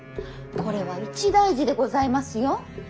これは一大事でございますよ。